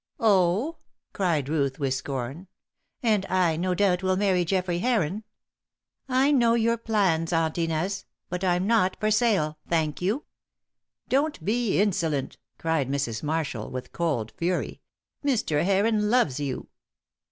"Oh!" cried Ruth with scorn. "And I, no doubt, will marry Geoffrey Heron. I know your plans, Aunt Inez. But I'm not for sale, thank you." "Don't be insolent," cried Mrs. Marshall, with cold fury. "Mr. Heron loves you."